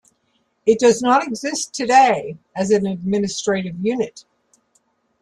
It does not exist today as an administrative unit.